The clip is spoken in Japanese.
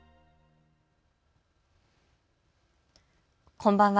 こんばんは。